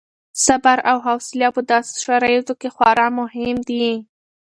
صبر او حوصله په داسې شرایطو کې خورا مهم دي.